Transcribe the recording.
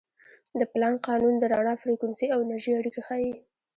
د پلانک قانون د رڼا فریکونسي او انرژي اړیکې ښيي.